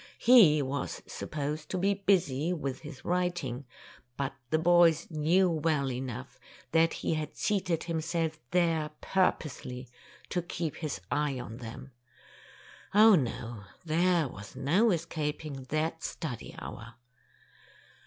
He was supposed to be busy with his writing, but the boys knew well enough that he had seated himself there purposely to keep his eye on them. Oh, no, there was no escaping that study hour!